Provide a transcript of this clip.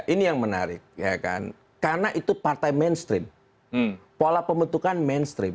ini yang menarik karena itu partai mainstream pola pembentukan mainstream